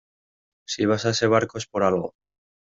si vas a ese barco es por algo.